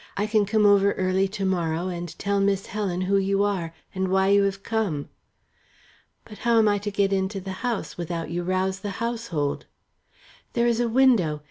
I can come over early to morrow and tell Miss Helen who you are, and why you have come." "But how am I to get into the house, without you rouse the household?" "There is a window.